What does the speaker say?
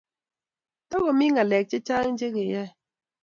Tokomie ngalek chechang' che keyae